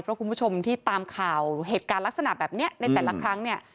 เพราะคุณผู้ชมที่ตามข่าวเหตุการณ์ลักษณะแบบนี้ในแต่ละครั้งเนี่ย